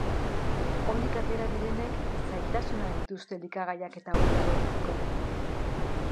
Onik atera direnek zailtasunak dituzte elikagaiak eta ura lortzeko.